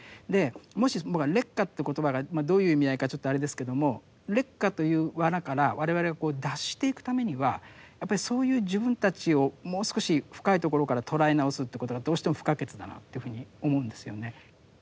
もし僕は劣化という言葉がどういう意味合いかちょっとあれですけども劣化という罠から我々がこう脱していくためにはやっぱりそういう自分たちをもう少し深いところから捉え直すということがどうしても不可欠だなというふうに思うんですよね。